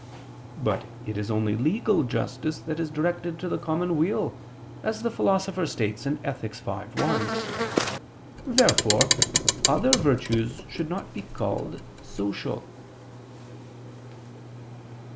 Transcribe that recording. But it is only legal justice that is directed to the common weal, as the Philosopher states (Ethic. v, 1). Therefore other virtues should not be called "social."